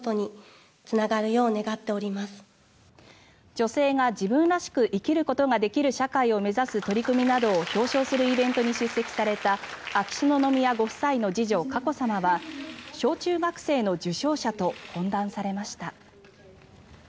女性が自分らしく生きることができる社会を目指す取り組みなどを表彰するイベントに出席された秋篠宮ご夫妻の次女、佳子さまは小中学生の受賞者と懇談されました。